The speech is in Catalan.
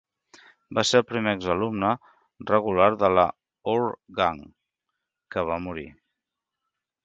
Va ser el primer exalumne regular de la "Our Gang" que va morir.